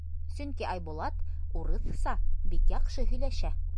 Сөнки Айбулат урыҫса бик яҡшы һөйләшә.